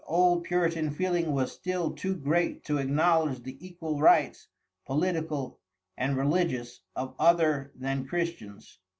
The old puritan feeling was still too great to acknowledge the equal rights, political and religious, of other than Christians.